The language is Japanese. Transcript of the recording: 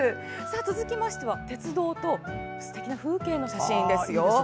続きましては鉄道とすてきな風景の写真ですよ。